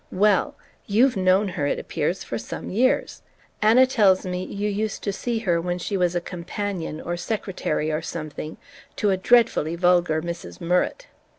Well! You've known her, it appears, for some years: Anna tells me you used to see her when she was a companion, or secretary or something, to a dreadfully vulgar Mrs. Murrett.